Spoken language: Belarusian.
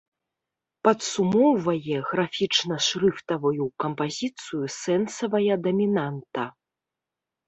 Падсумоўвае графічна-шрыфтавую кампазіцыю сэнсавая дамінанта.